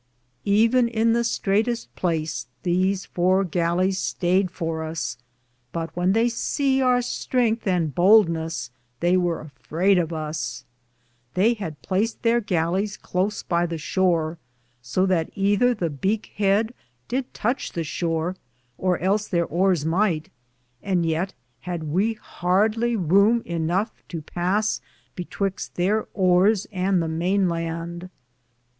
Even in the straighteste place these four gallis stayed for us, but when they se our strengthe and bouldnes, they weare afrayed of us. They had placed ther gallis cloce by the shore, so that ether the beake head did tuche the shore or else there ors myghte, and yeat had we hardly roume enoughe to pass betwyxte theire ores and the mayne lande.